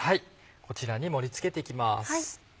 こちらに盛り付けて行きます。